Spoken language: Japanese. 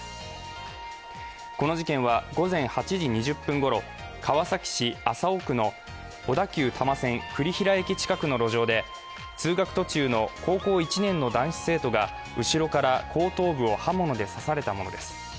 この事件は午前８時２０分ごろ、川崎市麻生区の小田急多摩線・栗平駅近くの路上で通学途中の高校１年の男子生徒が後ろから後頭部を刃物で刺されたものです。